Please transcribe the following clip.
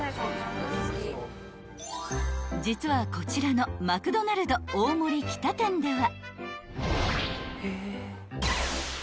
［実はこちらのマクドナルド大森北店では］